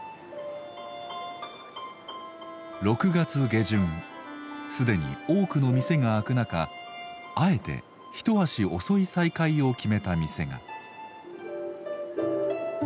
６月下旬既に多くの店が開く中あえて一足遅い再開を決めた店が。